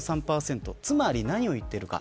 つまり何を言っているか。